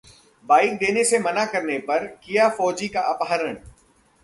bike देने से मना करने पर किया फौजी का अपहरण